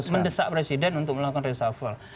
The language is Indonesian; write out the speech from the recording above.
mendesak presiden untuk melakukan reshuffle